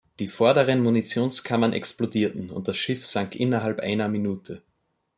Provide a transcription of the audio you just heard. Die vorderen Munitionskammern explodierten, und das Schiff sank innerhalb einer Minute.